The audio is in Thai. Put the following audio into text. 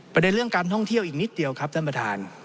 ประเด็นเรื่องการท่องเที่ยวอีกนิดเดียวครับท่านประธาน